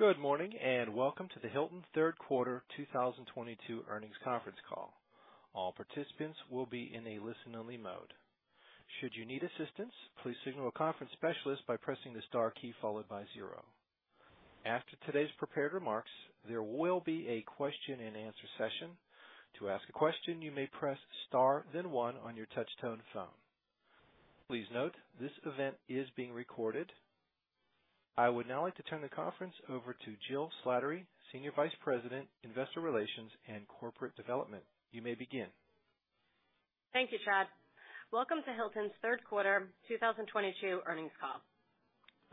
Good morning, and welcome to the Hilton Third Quarter 2022 earnings conference call. All participants will be in a listen only mode. Should you need assistance, please signal a conference specialist by pressing the star key followed by zero. After today's prepared remarks, there will be a question and answer session. To ask a question, you may press star then one on your touchtone phone. Please note, this event is being recorded. I would now like to turn the conference over to Jill Slattery, Senior Vice President, Investor Relations and Corporate Development. You may begin. Thank you, Chad. Welcome to Hilton's third quarter 2022 earnings call.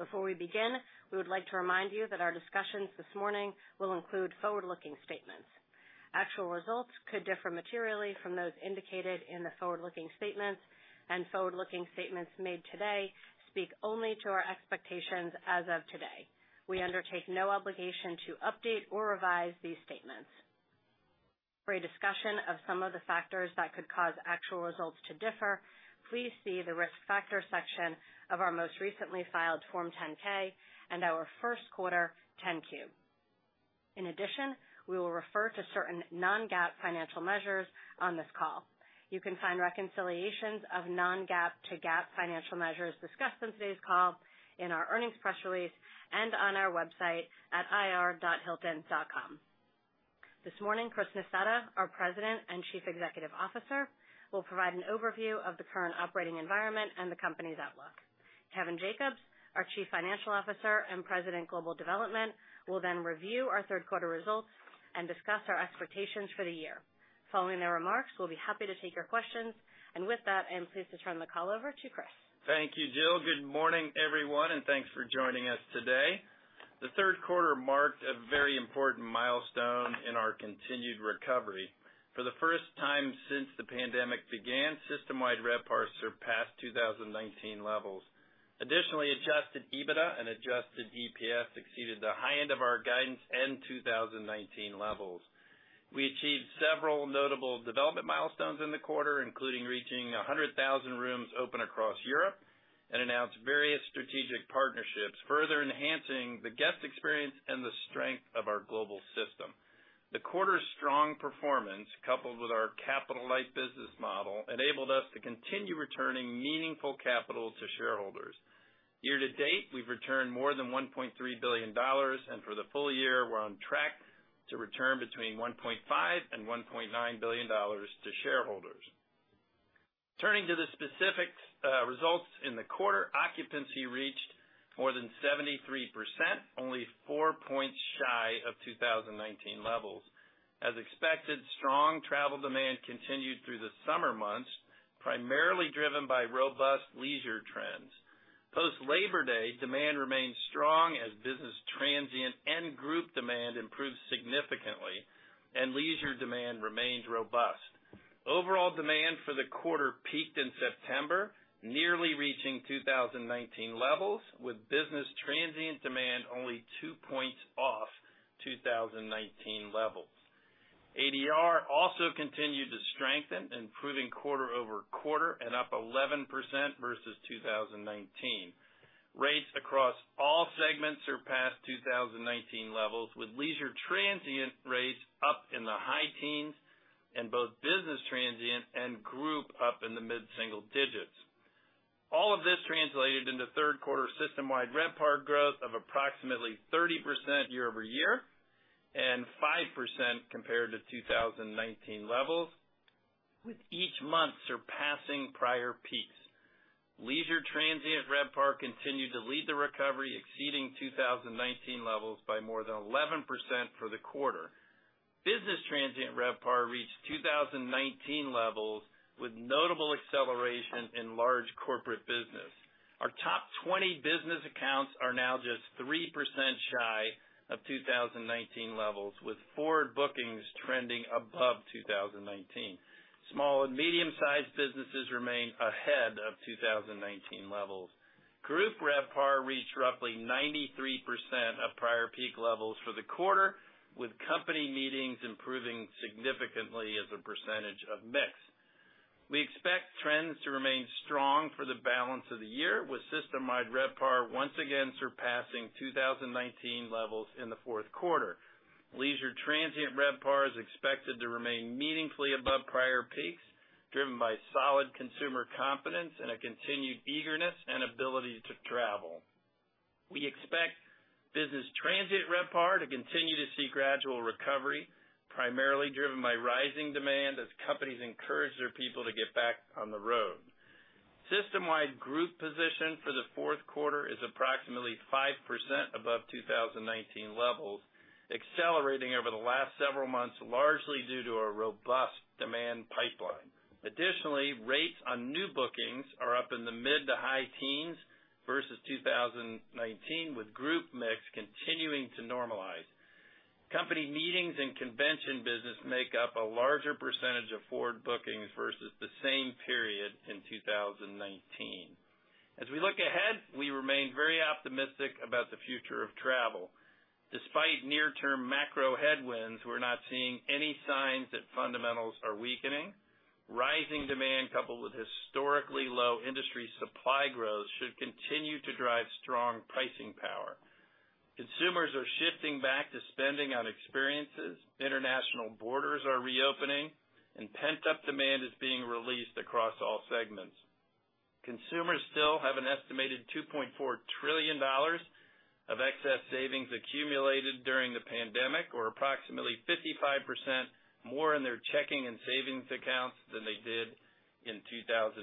Before we begin, we would like to remind you that our discussions this morning will include forward-looking statements. Actual results could differ materially from those indicated in the forward-looking statements, and forward-looking statements made today speak only to our expectations as of today. We undertake no obligation to update or revise these statements. For a discussion of some of the factors that could cause actual results to differ, please see the Risk Factors section of our most recently filed Form 10-K and our first quarter 10-Q. In addition, we will refer to certain non-GAAP financial measures on this call. You can find reconciliations of non-GAAP to GAAP financial measures discussed in today's call in our earnings press release and on our website at ir.hilton.com. This morning, Chris Nassetta, our President and Chief Executive Officer, will provide an overview of the current operating environment and the company's outlook. Kevin Jacobs, our Chief Financial Officer and President, Global Development, will then review our third quarter results and discuss our expectations for the year. Following their remarks, we'll be happy to take your questions, and with that, I am pleased to turn the call over to Chris. Thank you, Jill. Good morning, everyone, and thanks for joining us today. The third quarter marked a very important milestone in our continued recovery. For the first time since the pandemic began, system-wide RevPAR surpassed 2019 levels. Additionally, adjusted EBITDA and adjusted EPS exceeded the high end of our guidance and 2019 levels. We achieved several notable development milestones in the quarter, including reaching 100,000 rooms open across Europe and announced various strategic partnerships, further enhancing the guest experience and the strength of our global system. The quarter's strong performance, coupled with our capital-light business model, enabled us to continue returning meaningful capital to shareholders. Year to date, we've returned more than $1.3 billion, and for the full year, we're on track to return between $1.5 billion and $1.9 billion to shareholders. Turning to the specific results in the quarter, occupancy reached more than 73%, only 4 points shy of 2019 levels. As expected, strong travel demand continued through the summer months, primarily driven by robust leisure trends. Post-Labor Day, demand remained strong as business transient and group demand improved significantly and leisure demand remained robust. Overall demand for the quarter peaked in September, nearly reaching 2019 levels, with business transient demand only 2 points off 2019 levels. ADR also continued to strengthen, improving quarter over quarter and up 11% versus 2019. Rates across all segments surpassed 2019 levels, with leisure transient rates up in the high teens and both business transient and group up in the mid single digits. All of this translated into third quarter system-wide RevPAR growth of approximately 30% year over year and 5% compared to 2019 levels, with each month surpassing prior peaks. Leisure transient RevPAR continued to lead the recovery, exceeding 2019 levels by more than 11% for the quarter. Business transient RevPAR reached 2019 levels with notable acceleration in large corporate business. Our top 20 business accounts are now just 3% shy of 2019 levels, with forward bookings trending above 2019. Small and medium-sized businesses remain ahead of 2019 levels. Group RevPAR reached roughly 93% of prior peak levels for the quarter, with company meetings improving significantly as a percentage of mix. We expect trends to remain strong for the balance of the year, with system-wide RevPAR once again surpassing 2019 levels in the fourth quarter. Leisure transient RevPAR is expected to remain meaningfully above prior peaks, driven by solid consumer confidence and a continued eagerness and ability to travel. We expect business transient RevPAR to continue to see gradual recovery, primarily driven by rising demand as companies encourage their people to get back on the road. System-wide group position for the fourth quarter is approximately 5% above 2019 levels, accelerating over the last several months, largely due to a robust demand pipeline. Additionally, rates on new bookings are up in the mid-to-high teens versus 2019, with group mix continuing to normalize. Company meetings and convention business make up a larger percentage of forward bookings versus the same period in 2019. As we look ahead, we remain very optimistic about the future of travel. Despite near term macro headwinds, we're not seeing any signs that fundamentals are weakening. Rising demand, coupled with historically low industry supply growth, should continue to drive strong pricing power. Consumers are shifting back to spending on experiences. International borders are reopening, and pent-up demand is being released across all segments. Consumers still have an estimated $2.4 trillion of excess savings accumulated during the pandemic, or approximately 55% more in their checking and savings accounts than they did in 2019.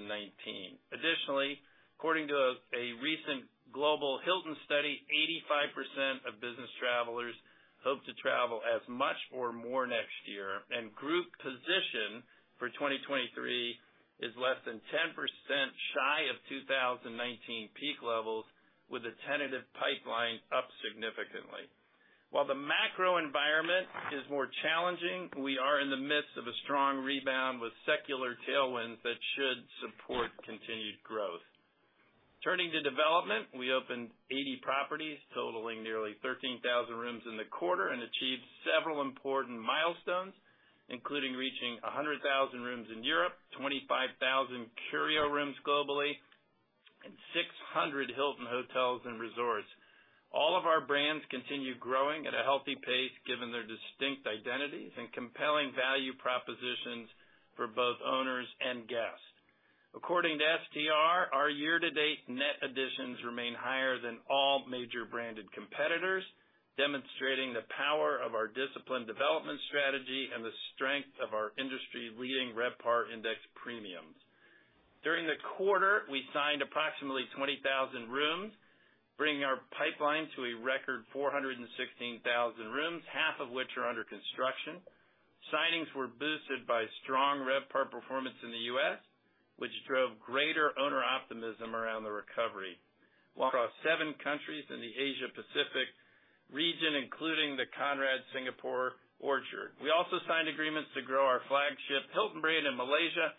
Additionally, according to a recent global Hilton study, 85% of business travelers hope to travel as much or more next year, and group position for 2023 is less than 10% shy of 2019 peak levels, with a tentative pipeline up significantly. While the macro environment is more challenging, we are in the midst of a strong rebound with secular tailwinds that should support continued growth. Turning to development, we opened 80 properties totaling nearly 13,000 rooms in the quarter and achieved several important milestones, including reaching 100,000 rooms in Europe, 25,000 Curio rooms globally, and 600 Hilton Hotels and Resorts. All of our brands continue growing at a healthy pace, given their distinct identities and compelling value propositions for both owners and guests. According to STR, our year-to-date net additions remain higher than all major branded competitors, demonstrating the power of our disciplined development strategy and the strength of our industry-leading RevPAR index premiums. During the quarter, we signed approximately 20,000 rooms, bringing our pipeline to a record 416,000 rooms, half of which are under construction. Signings were boosted by strong RevPAR performance in the U.S., which drove greater owner optimism around the recovery. Across seven countries in the Asia Pacific region, including the Conrad Singapore Orchard. We also signed agreements to grow our flagship Hilton brand in Malaysia,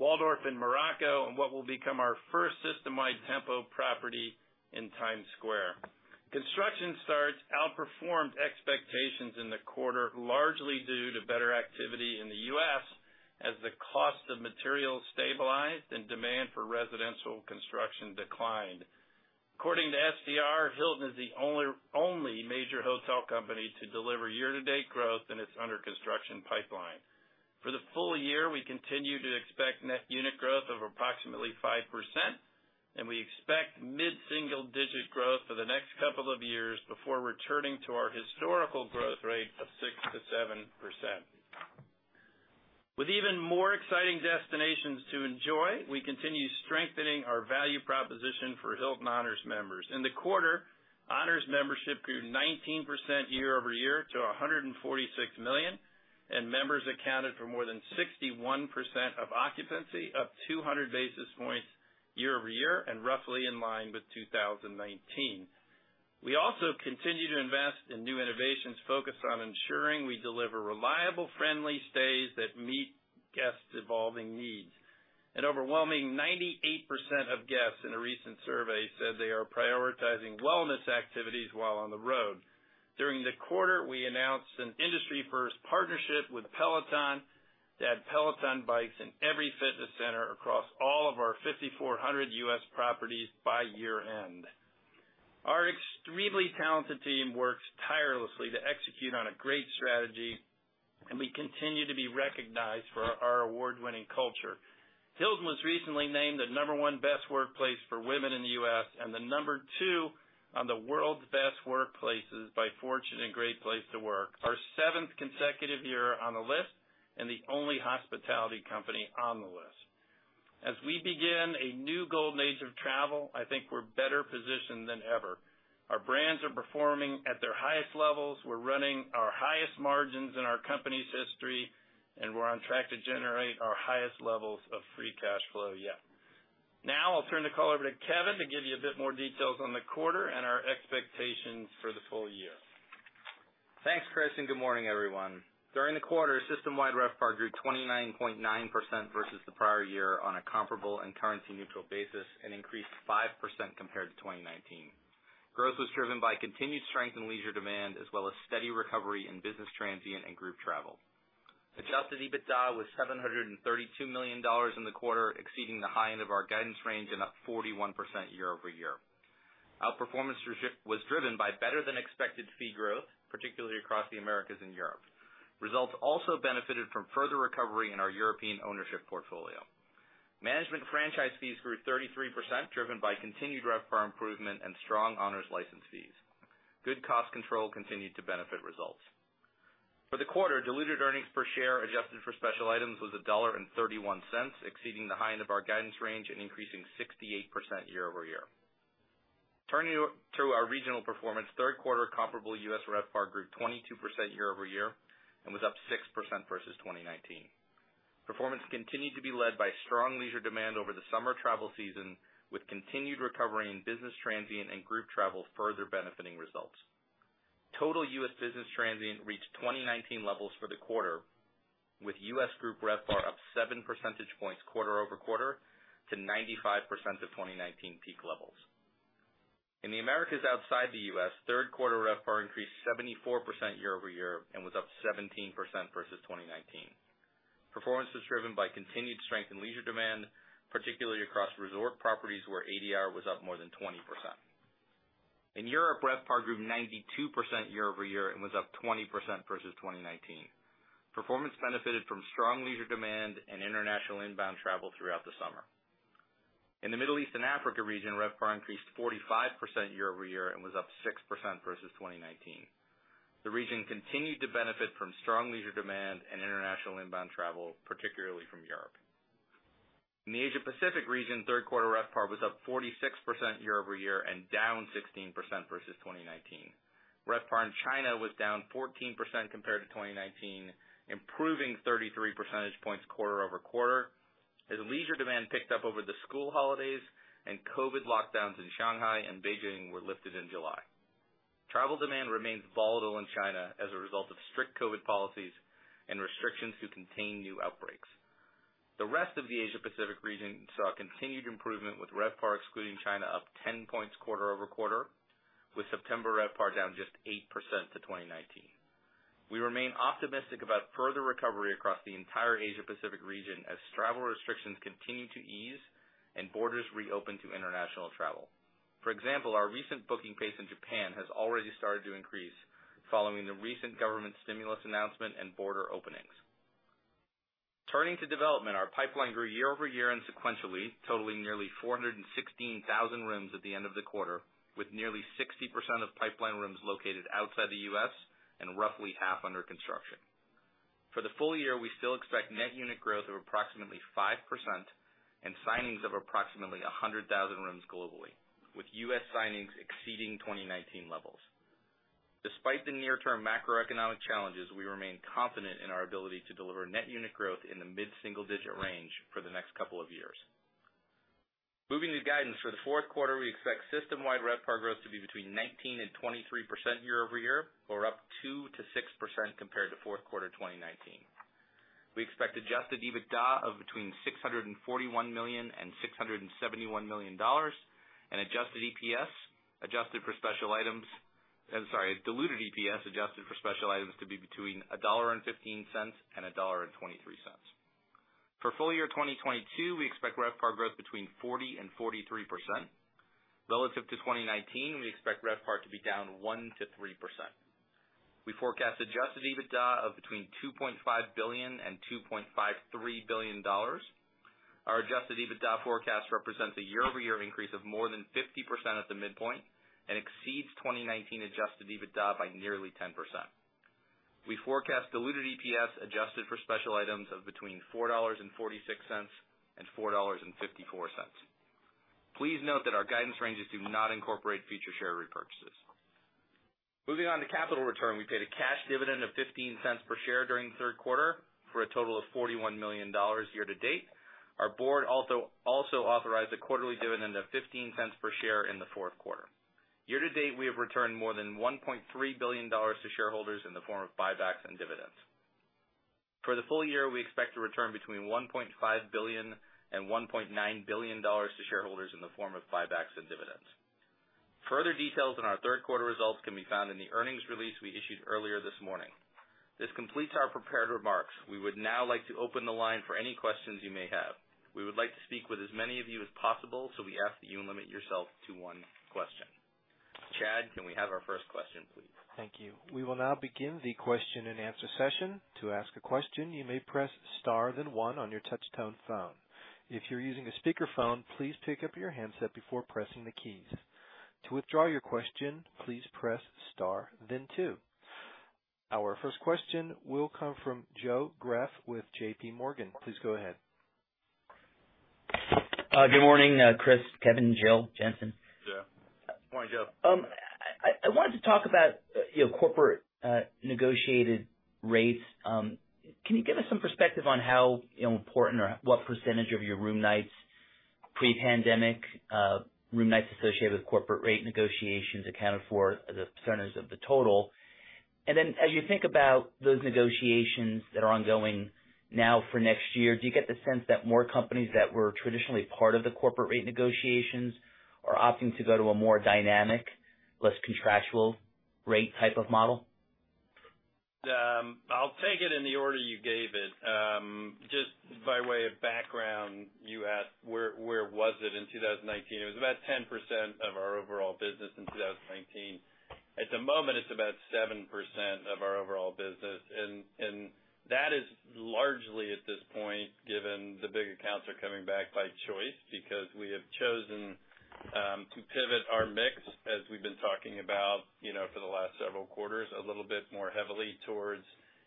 Waldorf Astoria in Morocco, and what will become our first system-wide Tempo property in Times Square. Construction starts outperformed expectations in the quarter, largely due to better activity in the U.S. as the cost of materials stabilized and demand for residential construction declined. According to STR, Hilton is the only major hotel company to deliver year-to-date growth in its under construction pipeline. For the full year, we continue to expect net unit growth of approximately 5%, and we expect mid-single digit growth for the next couple of years before returning to our historical growth rate of 6%-7%. With even more exciting destinations to enjoy, we continue strengthening our value proposition for Hilton Honors members. In the quarter, Honors membership grew 19% year-over-year to 146 million, and members accounted for more than 61% of occupancy, up 200 basis points year-over-year and roughly in line with 2019. We also continue to invest in new innovations focused on ensuring we deliver reliable, friendly stays that meet guests' evolving needs. An overwhelming 98% of guests in a recent survey said they are prioritizing wellness activities while on the road. During the quarter, we announced an industry-first partnership with Peloton to add Peloton bikes in every fitness center across all of our 5,400 U.S. properties by year-end. Our extremely talented team works tirelessly to execute on a great strategy, and we continue to be recognized for our award-winning culture. Hilton was recently named the number one best workplace for women in the U.S. and the number two on the World's Best Workplaces by Fortune and Great Place To Work, our seventh consecutive year on the list and the only hospitality company on the list. As we begin a new golden age of travel, I think we're better positioned than ever. Our brands are performing at their highest levels. We're running our highest margins in our company's history, and we're on track to generate our highest levels of free cash flow yet. Now I'll turn the call over to Kevin to give you a bit more details on the quarter and our expectations for the full year. Thanks, Chris, and good morning, everyone. During the quarter, system-wide RevPAR grew 29.9% versus the prior year on a comparable and currency neutral basis and increased 5% compared to 2019. Growth was driven by continued strength in leisure demand as well as steady recovery in business transient and group travel. Adjusted EBITDA was $732 million in the quarter, exceeding the high end of our guidance range and up 41% year-over-year. Outperformance was driven by better than expected fee growth, particularly across the Americas and Europe. Results also benefited from further recovery in our European ownership portfolio. Management franchise fees grew 33%, driven by continued RevPAR improvement and strong Honors license fees. Good cost control continued to benefit results. For the quarter, diluted earnings per share adjusted for special items was $1.31, exceeding the high end of our guidance range and increasing 68% year-over-year. Turning to our regional performance, third quarter comparable US RevPAR grew 22% year-over-year and was up 6% versus 2019. Performance continued to be led by strong leisure demand over the summer travel season, with continued recovery in business transient and group travel further benefiting results. Total U.S. Business transient reached 2019 levels for the quarter. With U.S. group RevPAR up 7 percentage points quarter-over-quarter to 95% of 2019 peak levels. In the Americas outside the U.S., third quarter RevPAR increased 74% year-over-year and was up 17% versus 2019. Performance was driven by continued strength in leisure demand, particularly across resort properties where ADR was up more than 20%. In Europe, RevPAR grew 92% year-over-year and was up 20% versus 2019. Performance benefited from strong leisure demand and international inbound travel throughout the summer. In the Middle East and Africa region, RevPAR increased 45% year-over-year and was up 6% versus 2019. The region continued to benefit from strong leisure demand and international inbound travel, particularly from Europe. In the Asia-Pacific region, third quarter RevPAR was up 46% year-over-year and down 16% versus 2019. RevPAR in China was down 14% compared to 2019, improving 33 percentage points quarter-over-quarter as leisure demand picked up over the school holidays and COVID lockdowns in Shanghai and Beijing were lifted in July. Travel demand remains volatile in China as a result of strict COVID policies and restrictions to contain new outbreaks. The rest of the Asia-Pacific region saw continued improvement, with RevPAR excluding China up ten points quarter-over-quarter, with September RevPAR down just 8% to 2019. We remain optimistic about further recovery across the entire Asia-Pacific region as travel restrictions continue to ease and borders reopen to international travel. For example, our recent booking pace in Japan has already started to increase following the recent government stimulus announcement and border openings. Turning to development. Our pipeline grew year-over-year and sequentially totaling nearly 416,000 rooms at the end of the quarter, with nearly 60% of pipeline rooms located outside the U.S. and roughly half under construction. For the full year, we still expect net unit growth of approximately 5% and signings of approximately 100,000 rooms globally, with U.S. signings exceeding 2019 levels. Despite the near-term macroeconomic challenges, we remain confident in our ability to deliver net unit growth in the mid-single-digit range for the next couple of years. Moving to guidance for the fourth quarter, we expect system-wide RevPAR growth to be between 19% and 23% year-over-year, or up 2%-6% compared to fourth quarter 2019. We expect adjusted EBITDA of between $641 million and $671 million and diluted EPS adjusted for special items to be between $1.15 and $1.23. For full year 2022, we expect RevPAR growth between 40% and 43%. Relative to 2019, we expect RevPAR to be down 1%-3%. We forecast adjusted EBITDA of between $2.5 billion and $2.53 billion. Our adjusted EBITDA forecast represents a year-over-year increase of more than 50% at the midpoint and exceeds 2019 adjusted EBITDA by nearly 10%. We forecast diluted EPS adjusted for special items of between $4.46 and $4.54. Please note that our guidance ranges do not incorporate future share repurchases. Moving on to capital return. We paid a cash dividend of $0.15 per share during the third quarter for a total of $41 million year-to-date. Our board also authorized a quarterly dividend of $0.15 per share in the fourth quarter. Year to date, we have returned more than $1.3 billion to shareholders in the form of buybacks and dividends. For the full year, we expect to return between $1.5 billion and $1.9 billion to shareholders in the form of buybacks and dividends. Further details on our third quarter results can be found in the earnings release we issued earlier this morning. This completes our prepared remarks. We would now like to open the line for any questions you may have. We would like to speak with as many of you as possible, so we ask that you limit yourself to one question. Chad, can we have our first question, please? Thank you. We will now begin the question and answer session. To ask a question, you may press star then one on your touch-tone phone. If you're using a speakerphone, please pick up your handset before pressing the keys. To withdraw your question, please press star then two. Our first question will come from Joe Greff with JPMorgan. Please go ahead. Good morning, Chris, Kevin, Jill, Jensen. Joe. Good morning, Joe. I wanted to talk about, you know, corporate negotiated rates. Can you give us some perspective on how, you know, important or what percentage of your room nights pre-pandemic room nights associated with corporate rate negotiations accounted for the percentage of the total? As you think about those negotiations that are ongoing now for next year, do you get the sense that more companies that were traditionally part of the corporate rate negotiations are opting to go to a more dynamic, less contractual rate type of model? I'll take it in the order you gave it. Just by way of background, you asked where was it in 2019? It was about 10% of our overall business in 2019. At the moment, it's about 7% of our overall business, and that is largely at this point, given the big accounts are coming back by choice because we have chosen to pivot our mix, as we've been talking about, you know, for the last several quarters, a little bit more heavily towards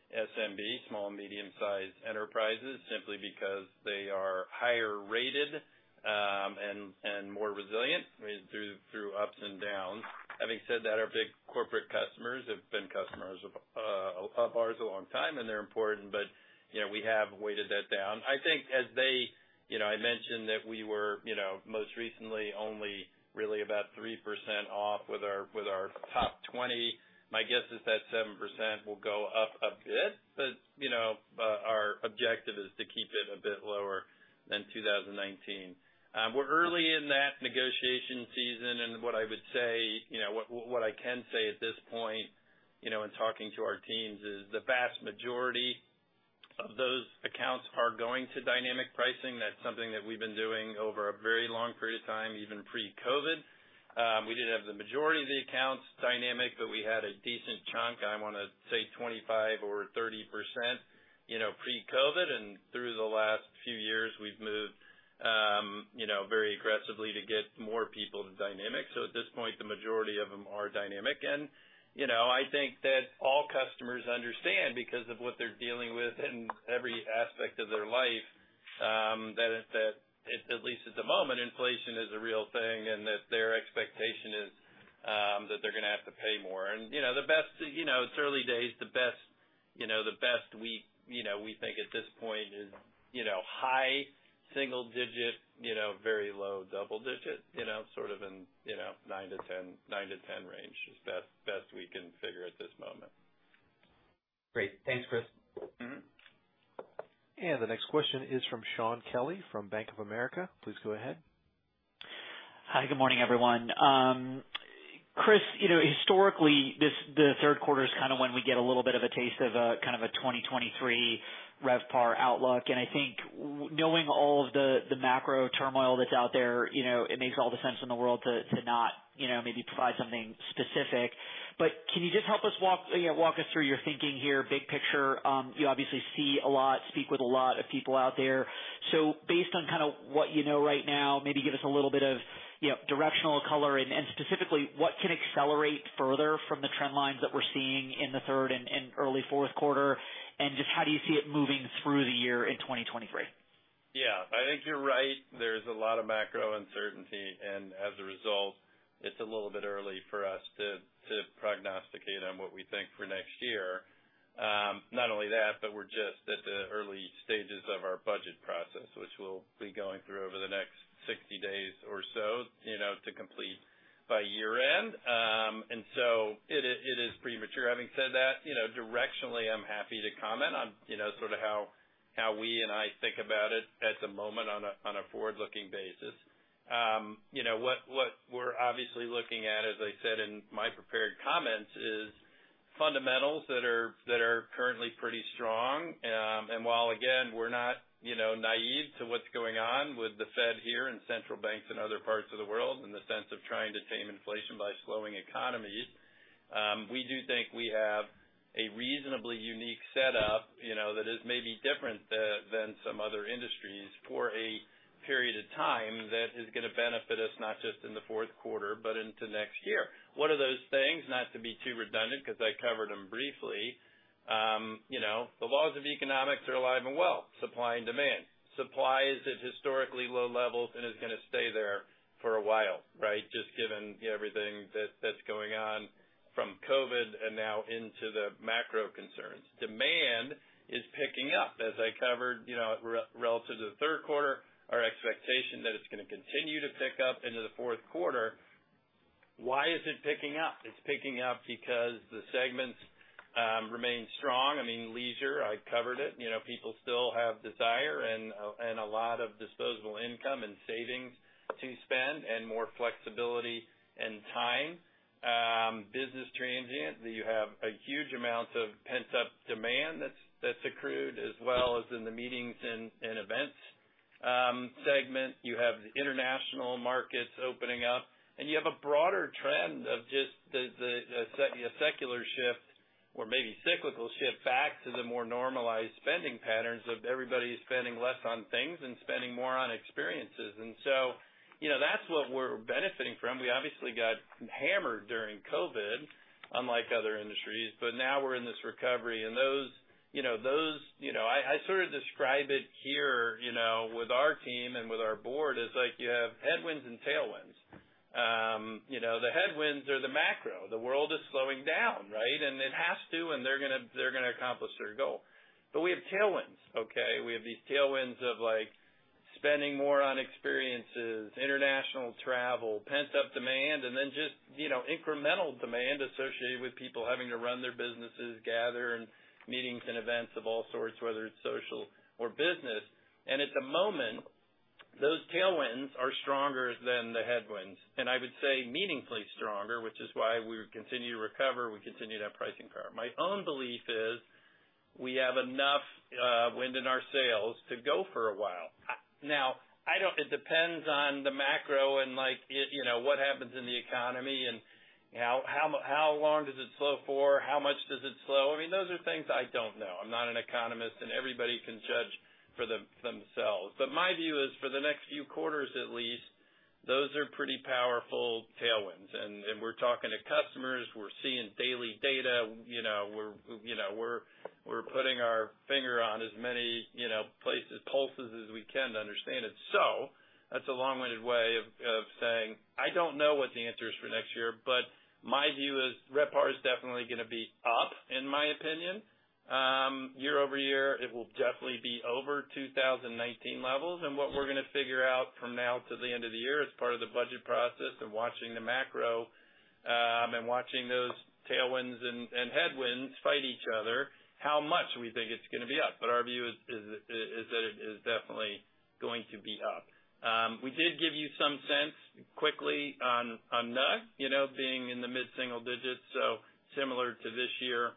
SMB, small, medium-sized enterprises, simply because they are higher rated, and more resilient, I mean, through ups and downs. Having said that, our big corporate customers have been customers of ours a long time, and they're important, but you know, we have weighted that down. You know, I mentioned that we were, you know, most recently only really about 3% off with our top 20. My guess is that 7% will go up a bit, but, you know, our objective is to keep it a bit lower than 2019. We're early in that negotiation season, and what I would say, you know, what I can say at this point, you know, in talking to our teams is the vast majority of those accounts are going to dynamic pricing. That's something that we've been doing over a very long period of time, even pre-COVID. We didn't have the majority of the accounts dynamic, but we had a decent chunk, I wanna say 25% or 30%, you know, pre-COVID. Through the last few years, we've moved, you know, very aggressively to get more people to dynamic. So at this point, the majority of them are dynamic. I think that all customers understand because of what they're dealing with in every aspect of their life, that at least at the moment, inflation is a real thing and that their expectation is that they're gonna have to pay more. The best we think at this point is high single digit, very low double digit, you know, sort of in 9%-10% range is best we can figure at this moment. Great. Thanks, Chris. Mm-hmm. The next question is from Shaun Kelley from Bank of America. Please go ahead. Hi. Good morning, everyone. Chris, you know, historically, this, the third quarter is kind of when we get a little bit of a taste of a kind of a 2023 RevPAR outlook, and I think knowing all of the macro turmoil that's out there, you know, it makes all the sense in the world to not, you know, maybe provide something specific. Can you just help us walk us through your thinking here, big picture. You obviously see a lot, speak with a lot of people out there. Based on kinda what you know right now, maybe give us a little bit of, you know, directional color and specifically, what can accelerate further from the trend lines that we're seeing in the third and early fourth quarter, and just how do you see it moving through the year in 2023? Yeah. I think you're right. There's a lot of macro uncertainty, and as a result, it's a little bit early for us to prognosticate on what we think for next year. Not only that, but we're just at the early stages of our budget process, which we'll be going through over the next 60 days or so, you know, to complete by year-end. It is premature. Having said that, you know, directionally, I'm happy to comment on, you know, sort of how we and I think about it at the moment on a forward-looking basis. You know, what we're obviously looking at, as I said in my prepared comments, is fundamentals that are currently pretty strong. While again, we're not, you know, naive to what's going on with the Fed here and central banks in other parts of the world in the sense of trying to tame inflation by slowing economies, we do think we have a reasonably unique setup, you know, that is maybe different than some other industries for a period of time that is gonna benefit us, not just in the fourth quarter, but into next year. One of those things, not to be too redundant, 'cause I covered them briefly, you know, the laws of economics are alive and well, supply and demand. Supply is at historically low levels and is gonna stay there for a while, right? Just given everything that's going on from COVID and now into the macro concerns. Demand is picking up, as I covered, you know, relative to the third quarter. Our expectation that it's gonna continue to pick up into the fourth quarter. Why is it picking up? It's picking up because the segments remain strong. I mean, leisure, I covered it. You know, people still have desire and a lot of disposable income and savings to spend and more flexibility and time. Business transient, you have a huge amount of pent-up demand that's accrued, as well as in the meetings and events segment. You have the international markets opening up, and you have a broader trend of just the secular shift or maybe cyclical shift back to the more normalized spending patterns of everybody spending less on things and spending more on experiences. You know, that's what we're benefiting from. We obviously got hammered during COVID, unlike other industries, but now we're in this recovery and those, you know. I sort of describe it here, you know, with our team and with our board as like you have headwinds and tailwinds. You know, the headwinds are the macro. The world is slowing down, right? It has to, and they're gonna accomplish their goal. We have tailwinds, okay? We have these tailwinds of, like, spending more on experiences, international travel, pent-up demand, and then just, you know, incremental demand associated with people having to run their businesses, gather in meetings and events of all sorts, whether it's social or business. At the moment, those tailwinds are stronger than the headwinds, and I would say meaningfully stronger, which is why we continue to recover. We continue to have pricing power. My own belief is we have enough wind in our sails to go for a while. Now, it depends on the macro and, like, it, you know, what happens in the economy and how long does it slow for, how much does it slow? I mean, those are things I don't know. I'm not an economist, and everybody can judge for themselves. But my view is for the next few quarters at least, those are pretty powerful tailwinds. We're talking to customers, we're seeing daily data, you know, we're putting our finger on as many, you know, places, pulses as we can to understand it. That's a long-winded way of saying I don't know what the answer is for next year, but my view is RevPAR is definitely gonna be up, in my opinion. Year-over-year, it will definitely be over 2019 levels. What we're gonna figure out from now to the end of the year as part of the budget process and watching the macro, and watching those tailwinds and headwinds fight each other, how much we think it's gonna be up, but our view is that it is definitely going to be up. We did give you some sense quickly on NUG, you know, being in the mid-single digits, so similar to this year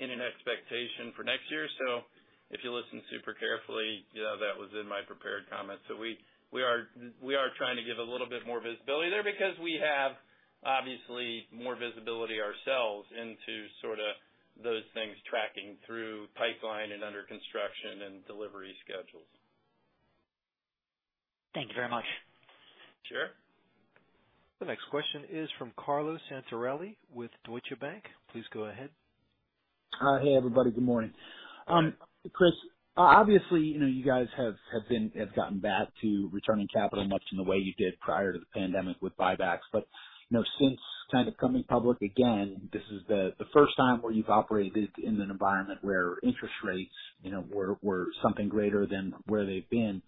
in an expectation for next year. If you listen super carefully, you know, that was in my prepared comments. We are trying to give a little bit more visibility there because we have obviously more visibility ourselves into sorta those things tracking through pipeline and under construction and delivery schedules. Thank you very much. Sure. The next question is from Carlo Santarelli with Deutsche Bank. Please go ahead. Hey, everybody. Good morning. Good day. Chris, obviously, you know, you guys have gotten back to returning capital much in the way you did prior to the pandemic with buybacks. You know, since kind of coming public again, this is the first time where you've operated in an environment where interest rates, you know, were something greater than where they've been.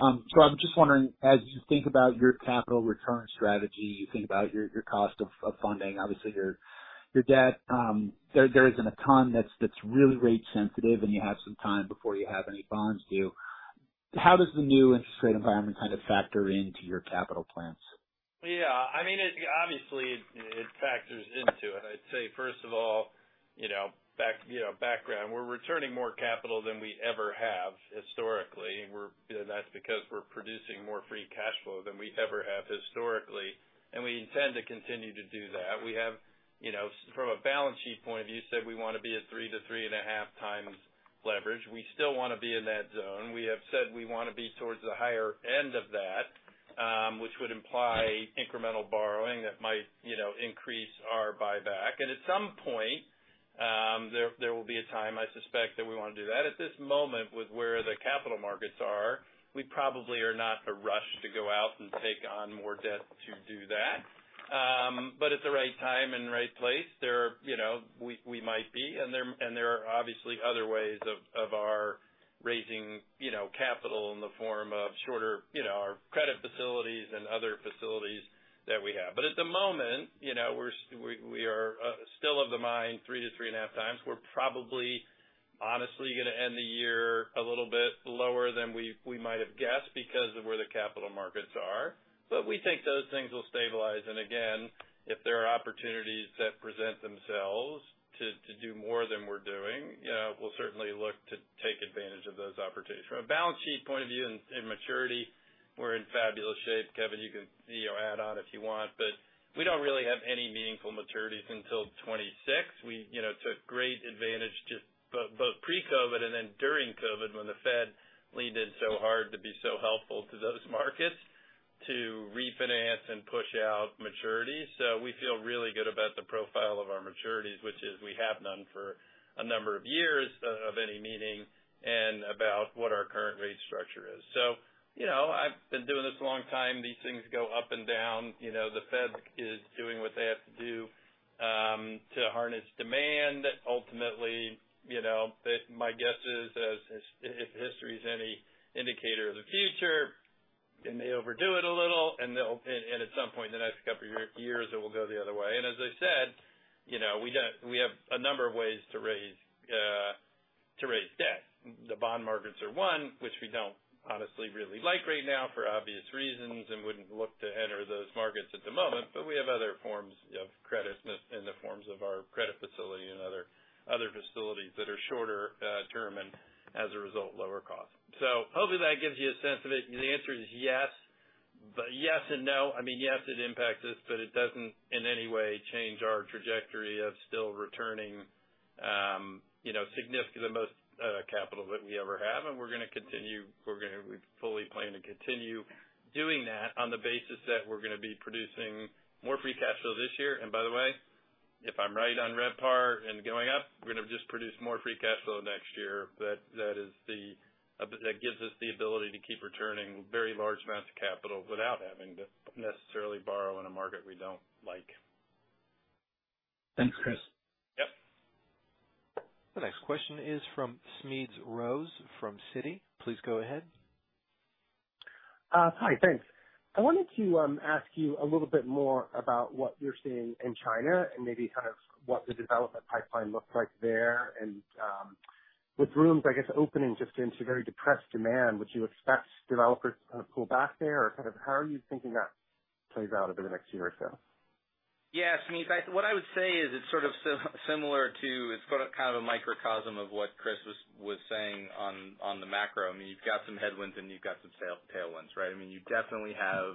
I'm just wondering, as you think about your capital return strategy, you think about your cost of funding, obviously your debt, there isn't a ton that's really rate sensitive, and you have some time before you have any bonds due. How does the new interest rate environment kind of factor into your capital plans? Yeah, I mean, it obviously factors into it. I'd say first of all, you know, background, we're returning more capital than we ever have historically. That's because we're producing more free cash flow than we ever have historically, and we intend to continue to do that. We have, you know, from a balance sheet point of view, said we wanna be a 3x-3.5x leverage. We still wanna be in that zone. We have said we wanna be towards the higher end of that, which would imply incremental borrowing that might, you know, increase our buyback. At some point, there will be a time, I suspect, that we wanna do that. At this moment, with where the capital markets are, we probably are not in a rush to go out and take on more debt to do that. At the right time and the right place, there, you know, we might be, and there are obviously other ways of our raising, you know, capital in the form of shorter, you know, our credit facilities and other facilities that we have. At the moment, you know, we are still of the mind 3x-3.5x. We're probably honestly gonna end the year a little bit lower than we might have guessed because of where the capital markets are. We think those things will stabilize. Again, if there are opportunities that present themselves to do more than we're doing, you know, we'll certainly look to take advantage of those opportunities. From a balance sheet point of view and maturity, we're in fabulous shape. Kevin, you can, you know, add on if you want, but we don't really have any meaningful maturities until 2026. We, you know, took great advantage just both pre-COVID and then during COVID when the Fed leaned in so hard to be so helpful to those markets, to refinance and push out maturities. We feel really good about the profile of our maturities, which is we have none for a number of years of any meaning and about what our current rate structure is. You know, I've been doing this a long time. These things go up and down. You know, the Fed is doing what they have to do to harness demand. Ultimately, you know, my guess is as if history is any indicator of the future, they may overdo it a little and they'll at some point in the next couple years, it will go the other way. As I said, you know, we have a number of ways to raise debt. The bond markets are one, which we don't honestly really like right now for obvious reasons, and wouldn't look to enter those markets at the moment. We have other forms of credit in the forms of our credit facility and other facilities that are shorter term and as a result, lower cost. Hopefully that gives you a sense of it. The answer is yes, but yes and no. I mean, yes, it impacts us, but it doesn't in any way change our trajectory of still returning you know significant, the most capital that we ever have. We fully plan to continue doing that on the basis that we're gonna be producing more free cash flow this year. By the way, if I'm right on RevPAR and going up, we're gonna just produce more free cash flow next year. But that gives us the ability to keep returning very large amounts of capital without having to necessarily borrow in a market we don't like. Thanks, Chris. Yep. The next question is from Smedes Rose from Citi. Please go ahead. Hi. Thanks. I wanted to ask you a little bit more about what you're seeing in China and maybe kind of what the development pipeline looks like there. With rooms, I guess, opening just into very depressed demand, would you expect developers to kind of pull back there? Or kind of how are you thinking that plays out over the next year or so? Yeah. Smedes, what I would say is it's sort of similar to, kind of a microcosm of what Chris was saying on the macro. I mean, you've got some headwinds and you've got some tailwinds, right? I mean, you definitely have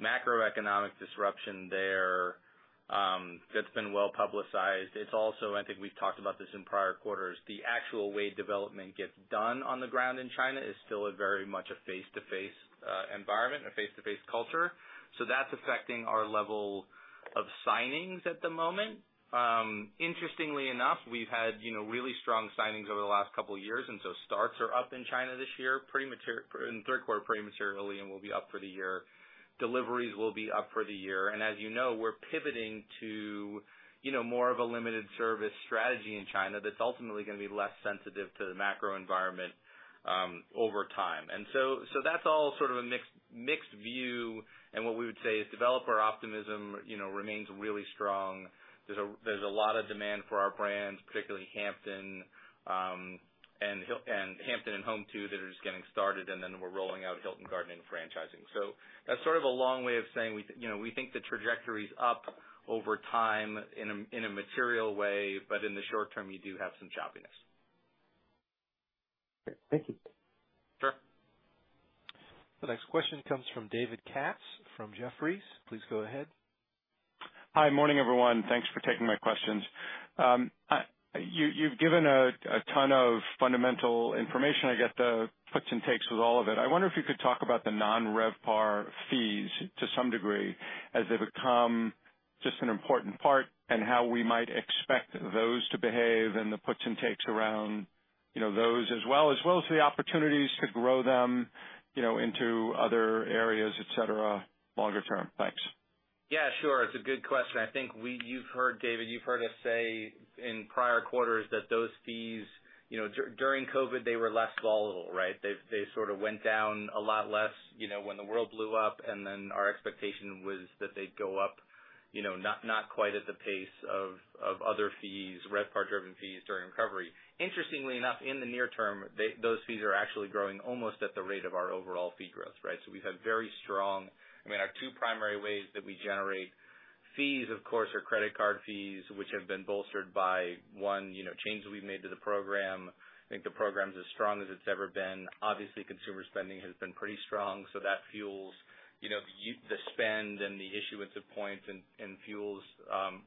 macroeconomic disruption there, that's been well publicized. It's also, I think we've talked about this in prior quarters, the actual way development gets done on the ground in China is still very much a face-to-face environment, a face-to-face culture. So that's affecting our level of signings at the moment. Interestingly enough, we've had, you know, really strong signings over the last couple years, and so starts are up in China this year, pretty materially in third quarter, and will be up for the year. Deliveries will be up for the year. As you know, we're pivoting to, you know, more of a limited service strategy in China that's ultimately gonna be less sensitive to the macro environment, over time. So that's all sort of a mixed view. What we would say is developer optimism, you know, remains really strong. There's a lot of demand for our brands, particularly Hampton and Home2 that are just getting started, and then we're rolling out Hilton Garden Inn franchising. That's sort of a long way of saying, you know, we think the trajectory is up over time in a material way, but in the short term, you do have some choppiness. Thank you. Sure. The next question comes from David Katz from Jefferies. Please go ahead. Hi. Morning, everyone. Thanks for taking my questions. You've given a ton of fundamental information. I get the puts and takes with all of it. I wonder if you could talk about the non-RevPAR fees to some degree as they become just an important part, and how we might expect those to behave and the puts and takes around, you know, those as well. As well as the opportunities to grow them, you know, into other areas, et cetera, longer term. Thanks. Yeah, sure. It's a good question. I think you've heard, David, you've heard us say in prior quarters that those fees, you know, during COVID, they were less volatile, right? They sort of went down a lot less, you know, when the world blew up, and then our expectation was that they'd go up, you know, not quite at the pace of other fees, RevPAR driven fees during recovery. Interestingly enough, in the near term, those fees are actually growing almost at the rate of our overall fee growth, right? We have very strong. I mean, our two primary ways that we generate fees, of course, are credit card fees, which have been bolstered by one, you know, changes we've made to the program. I think the program is as strong as it's ever been. Obviously, consumer spending has been pretty strong, so that fuels, you know, the spend and the issuance of points and fuels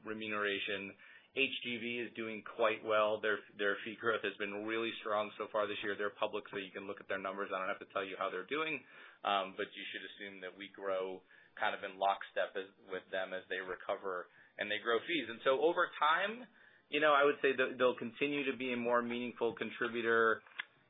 remuneration. HGV is doing quite well. Their fee growth has been really strong so far this year. They're public, so you can look at their numbers. I don't have to tell you how they're doing. But you should assume that we grow kind of in lockstep as with them as they recover and they grow fees. Over time, you know, I would say they'll continue to be a more meaningful contributor.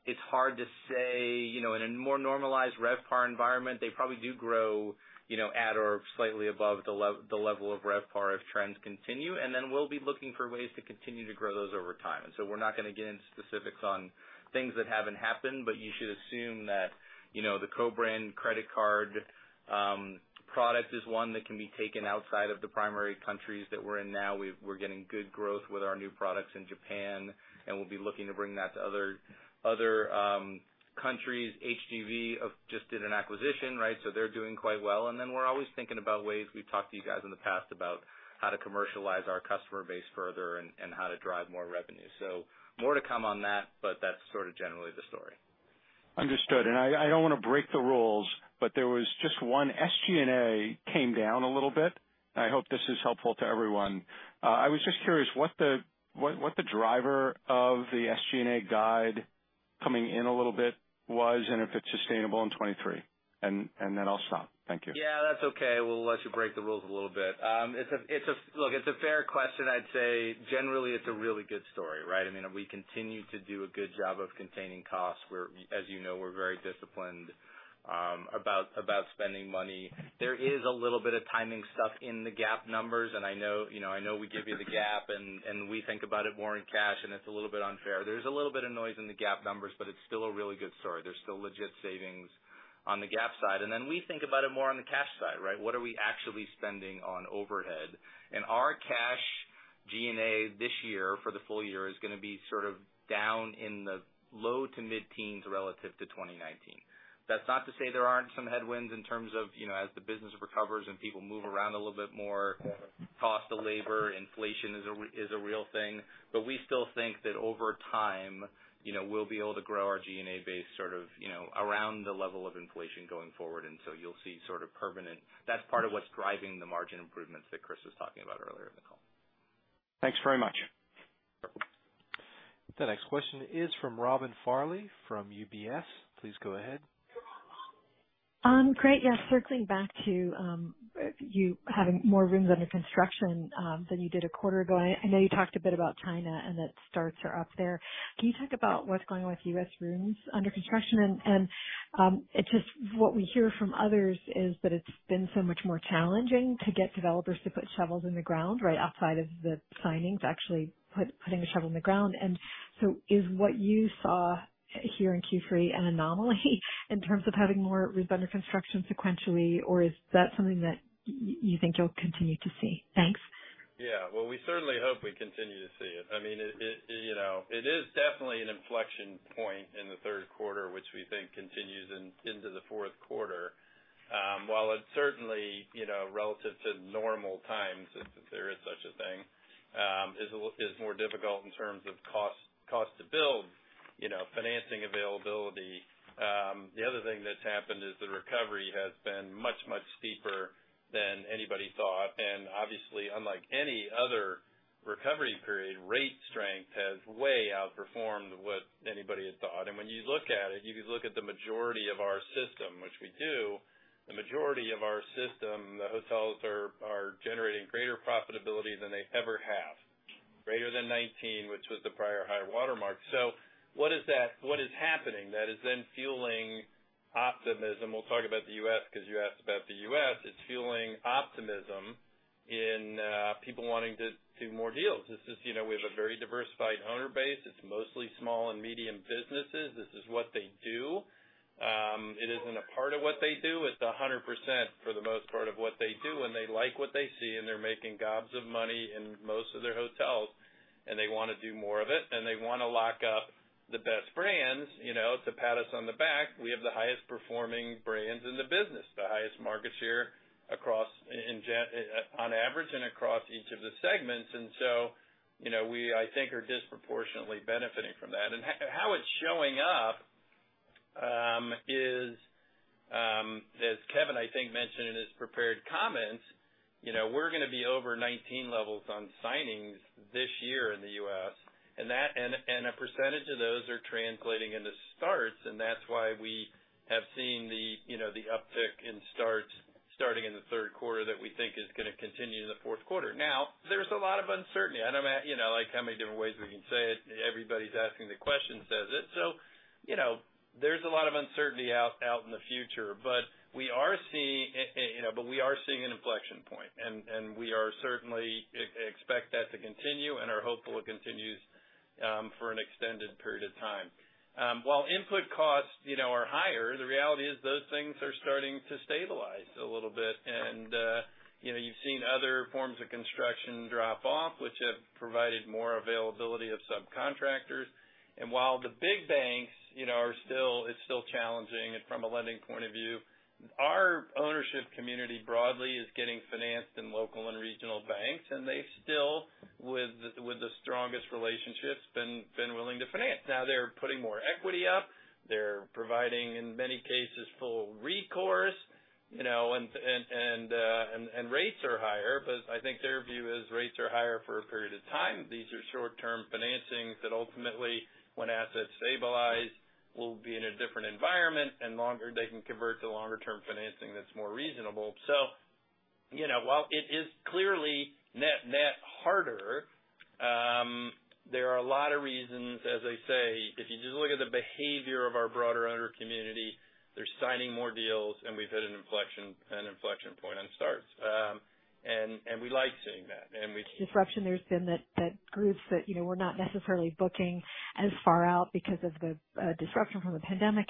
It's hard to say. You know, in a more normalized RevPAR environment, they probably do grow, you know, at or slightly above the level of RevPAR if trends continue. We'll be looking for ways to continue to grow those over time. We're not gonna get into specifics on things that haven't happened, but you should assume that, you know, the co-brand credit card product is one that can be taken outside of the primary countries that we're in now. We're getting good growth with our new products in Japan, and we'll be looking to bring that to other countries. HGV have just did an acquisition, right? So they're doing quite well. Then we're always thinking about ways, we've talked to you guys in the past about how to commercialize our customer base further and how to drive more revenue. More to come on that, but that's sort of generally the story. Understood. I don't wanna break the rules, but there was just one. SG&A came down a little bit. I hope this is helpful to everyone. I was just curious what the driver of the SG&A guide coming in a little bit was, and if it's sustainable in 2023. Then I'll stop. Thank you. Yeah, that's okay. We'll let you break the rules a little bit. Look, it's a fair question. I'd say generally it's a really good story, right? I mean, we continue to do a good job of containing costs. We're, as you know, very disciplined about spending money. There is a little bit of timing stuff in the GAAP numbers, and I know, you know, we give you the GAAP and we think about it more in cash and it's a little bit unfair. There's a little bit of noise in the GAAP numbers, but it's still a really good story. There's still legit savings on the GAAP side. Then we think about it more on the cash side, right? What are we actually spending on overhead? Our cash G&A this year for the full year is gonna be sort of down in the low- to mid-teens relative to 2019. That's not to say there aren't some headwinds in terms of, you know, as the business recovers and people move around a little bit more, cost of labor, inflation is a real thing. But we still think that over time, you know, we'll be able to grow our G&A base sort of, you know, around the level of inflation going forward, and so you'll see sort of permanent. That's part of what's driving the margin improvements that Chris was talking about earlier in the call. Thanks very much. The next question is from Robin Farley from UBS. Please go ahead. Circling back to you having more rooms under construction than you did a quarter ago. I know you talked a bit about China and that starts are up there. Can you talk about what's going on with U.S. rooms under construction? It's just what we hear from others is that it's been so much more challenging to get developers to put shovels in the ground, right outside of the signings, actually putting a shovel in the ground. Is what you saw here in Q3 an anomaly in terms of having more rooms under construction sequentially, or is that something that you think you'll continue to see? Thanks. Yeah. Well, we certainly hope we continue to see it. I mean, it, you know, it is definitely an inflection point in the third quarter, which we think continues into the fourth quarter. While it's certainly, you know, relative to normal times, if there is such a thing, is more difficult in terms of cost to build, you know, financing availability. The other thing that's happened is the recovery has been much steeper than anybody thought. Obviously, unlike any other recovery period, rate strength has way outperformed what anybody had thought. When you look at it, you can look at the majority of our system, which we do, the majority of our system, the hotels are generating greater profitability than they ever have. Greater than 19, which was the prior high watermark. What is that? What is happening that is then fueling optimism? We'll talk about the U.S. 'cause you asked about the U.S. It's fueling optimism in people wanting to do more deals. This is, you know, we have a very diversified owner base. It's mostly small and medium businesses. This is what they do. It isn't a part of what they do, it's 100% for the most part of what they do, and they like what they see, and they're making gobs of money in most of their hotels, and they wanna do more of it, and they wanna lock up the best brands, you know, to pat us on the back. We have the highest performing brands in the business, the highest market share across, on average and across each of the segments. You know, we, I think, are disproportionately benefiting from that. How it's showing up is, as Kevin, I think, mentioned in his prepared comments, you know, we're gonna be over 19 levels on signings this year in the U.S., and that and a percentage of those are translating into starts, and that's why we have seen the, you know, the uptick in starts starting in the third quarter that we think is gonna continue in the fourth quarter. Now, there's a lot of uncertainty, and I'm at, you know, like how many different ways we can say it. Everybody's asking the question says it. You know, there's a lot of uncertainty out in the future. We are seeing, you know, an inflection point, and we are certainly expect that to continue and are hopeful it continues for an extended period of time. While input costs, you know, are higher, the reality is those things are starting to stabilize a little bit. You know, you've seen other forms of construction drop off, which have provided more availability of subcontractors. While the big banks, you know, are still, it's still challenging from a lending point of view, our ownership community broadly is getting financed in local and regional banks, and they still, with the strongest relationships, been willing to finance. Now they're putting more equity up. They're providing, in many cases, full recourse, you know, and rates are higher, but I think their view is rates are higher for a period of time. These are short-term financings that ultimately, when assets stabilize, will be in a different environment and longer, they can convert to longer-term financing that's more reasonable. You know, while it is clearly net harder, there are a lot of reasons, as I say, if you just look at the behavior of our broader owner community, they're signing more deals and we've hit an inflection point on starts. We like seeing that, and we- Disruption, there's been that groups that, you know, were not necessarily booking as far out because of the disruption from the pandemic.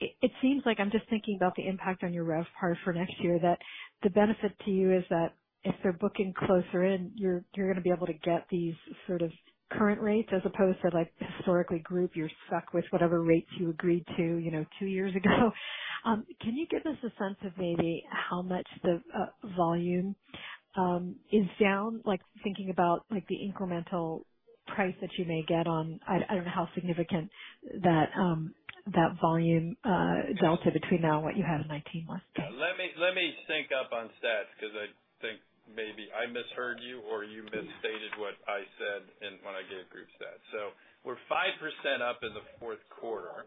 It seems like I'm just thinking about the impact on your RevPAR for next year, that the benefit to you is that if they're booking closer in, you're gonna be able to get these sort of current rates as opposed to like historically group, you're stuck with whatever rates you agreed to, you know, two years ago. Can you give us a sense of maybe how much the volume is down, like thinking about like the incremental price that you may get on. I don't know how significant that volume delta between now and what you had in 2019 was. Let me sync up on stats 'cause I think maybe I misheard you or you misstated what I said when I gave group stats. We're 5% up in the fourth quarter.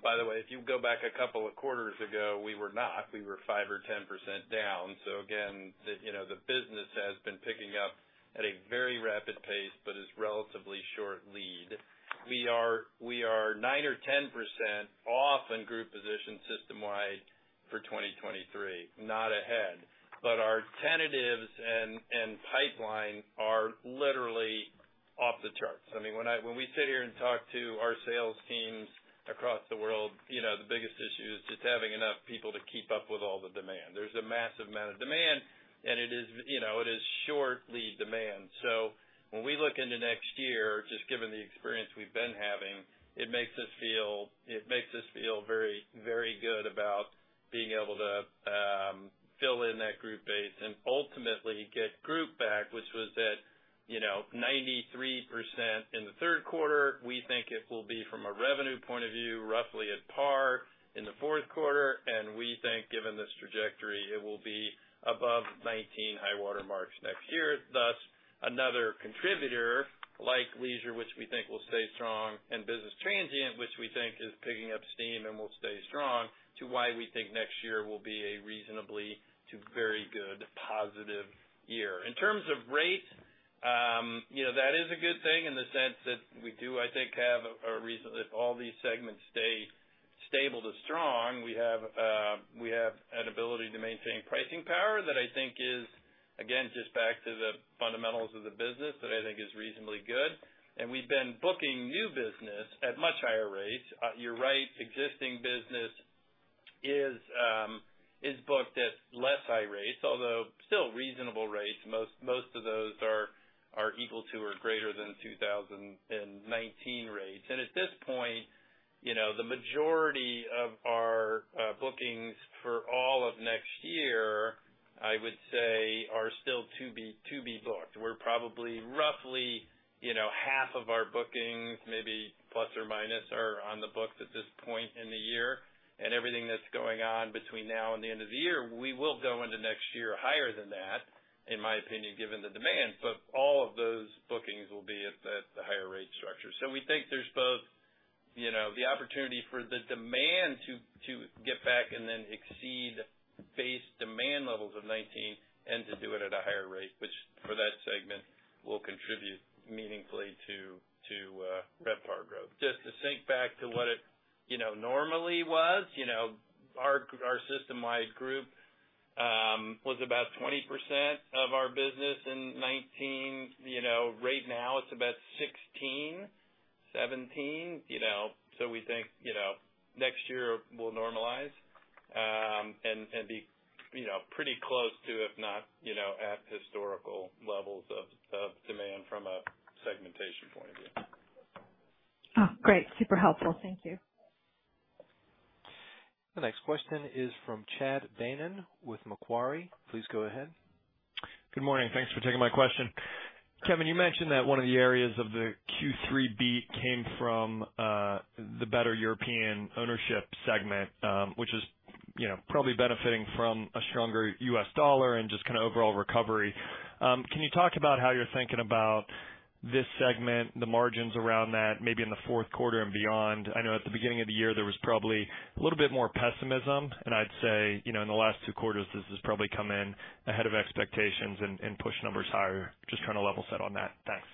By the way, if you go back a couple of quarters ago, we were not. We were 5% or 10% down. Again, you know, the business has been picking up at a very rapid pace but is relatively short lead. We are 9% or 10% off in group pacing system-wide for 2023, not ahead. Our tentatives and pipeline are literally off the charts. I mean, when we sit here and talk to our sales teams across the world, you know, the biggest issue is just having enough people to keep up with all the demand. There's a massive amount of demand, and it is, you know, it is short lead demand. When we look into next year, just given the experience we've been having, it makes us feel very, very good about being able to fill in that group base and ultimately get group back, which was at, you know, 93% in the third quarter. We think it will be, from a revenue point of view, roughly at par in the fourth quarter, and we think given this trajectory, it will be above 2019 high water marks next year. Thus, another contributor like leisure, which we think will stay strong, and business transient, which we think is picking up steam and will stay strong, to why we think next year will be a reasonably to very good positive year. In terms of rates, you know, that is a good thing in the sense that we do, I think, have a reason. If all these segments stay stable to strong, we have an ability to maintain pricing power that I think is again, just back to the fundamentals of the business that I think is reasonably good. We've been booking new business at much higher rates. You're right, existing business is booked at less high rates, although still reasonable rates. Most of those are equal to or greater than 2019 rates. At this point, you know, the majority of our bookings for all of next year, I would say, are still to be booked. We're probably roughly, you know, half of our bookings, maybe plus or minus, are on the books at this point in the year. Everything that's going on between now and the end of the year, we will go into next year higher than that, in my opinion, given the demand. All of those bookings will be at. So we think there's both, you know, the opportunity for the demand to get back and then exceed base demand levels of 2019 and to do it at a higher rate, which, for that segment, will contribute meaningfully to RevPAR growth. Just to think back to what it normally was, you know, our system-wide group was about 20% of our business in 2019. You know, right now it's about 16%-17%, you know, so we think, you know, next year we'll normalize and be, you know, pretty close to, if not, you know, at historical levels of demand from a segmentation point of view. Oh, great. Super helpful. Thank you. The next question is from Chad Beynon with Macquarie. Please go ahead. Good morning. Thanks for taking my question. Kevin, you mentioned that one of the areas of the Q3 beat came from the better European ownership segment, which is, you know, probably benefiting from a stronger US dollar and just kinda overall recovery. Can you talk about how you're thinking about this segment, the margins around that, maybe in the fourth quarter and beyond? I know at the beginning of the year, there was probably a little bit more pessimism, and I'd say, you know, in the last two quarters, this has probably come in ahead of expectations and pushed numbers higher. Just trying to level set on that. Thanks.